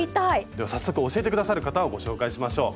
では早速教えて下さる方をご紹介しましょう。